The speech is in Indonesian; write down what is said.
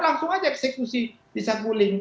langsung aja eksekusi bisa guling